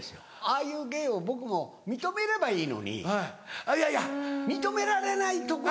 ああいう芸を僕も認めればいいのに認められないところが。